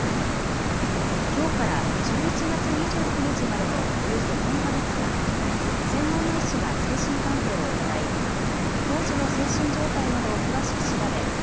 きょうから１１月２９日までのおよそ４か月間、専門の医師が精神鑑定を行い当時の精神状態などを詳しく調べ